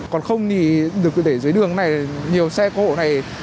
còn không thì được để dưới đường này nhiều xe cổ này